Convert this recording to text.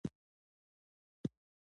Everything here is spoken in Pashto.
ما ورته وویل: په مخه دې ښه، په خیر ولاړ شه.